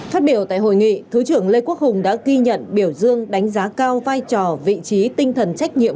phát biểu tại hội nghị thứ trưởng lê quốc hùng đã ghi nhận biểu dương đánh giá cao vai trò vị trí tinh thần trách nhiệm